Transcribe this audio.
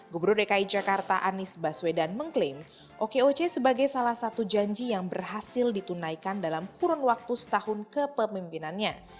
gubernur dki jakarta anies baswedan mengklaim okoc sebagai salah satu janji yang berhasil ditunaikan dalam kurun waktu setahun kepemimpinannya